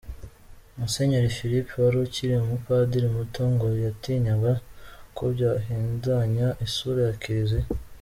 Musenyeri Philip wari ukiri umupadiri muto, ngo yatinyaga ko byahindanya isura ya kiliziya.